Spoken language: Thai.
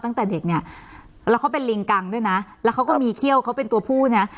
ตั้งแต่เด็กเนี่ยแล้วเขาเป็นลิงกังด้วยนะแล้วเขาก็มีเขี้ยวเขาเป็นตัวผู้เนี้ย